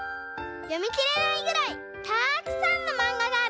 よみきれないぐらいたくさんのまんががあるんだ」。